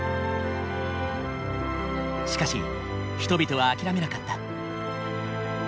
しかし人々は諦めなかった。